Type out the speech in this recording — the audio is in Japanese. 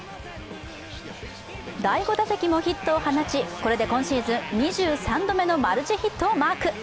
第５打席もヒットを放ちこれで今シーズン２３度目のマルチヒットをマーク。